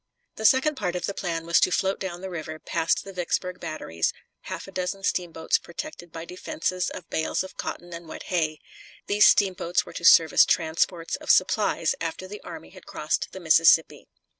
The second part of the plan was to float down the river, past the Vicksburg batteries, half a dozen steamboats protected by defenses of bales of cotton and wet hay; these steamboats were to serve as transports of supplies after the army had crossed the Mississippi.